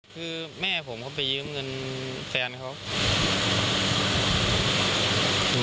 คือแม่ผมเขาไปยืมเงินแฟนเขา